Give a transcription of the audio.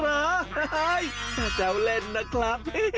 เฮ่ยแต่เจ้าเล่นน่ะครับ